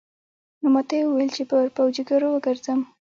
نو ماته يې وويل چې پر پوجيگرو وگرځم.